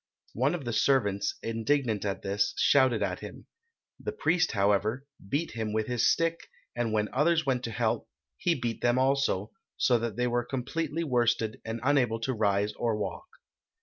One of the servants, indignant at this, shouted at him. The priest, however, beat him with his stick, and when others went to help, he beat them also, so that they were completely worsted and unable to rise or walk.